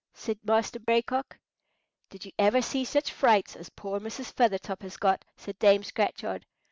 said Master Gray Cock. "Did you ever see such frights as poor Mrs. Feathertop has got?" said Dame Scratchard.